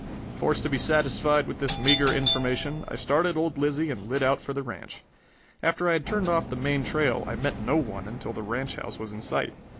Forced to be satisfied with this meager information, I started old Lizzie and lit out for the ranch. After I had turned off the main trail I met no one until the ranch house was in sight.